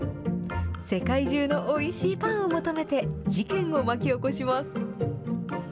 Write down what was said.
世界中のおいしいパンを求めて、事件を巻き起こします。